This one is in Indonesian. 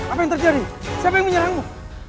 apa yang terjadi siapa yang menyerangmu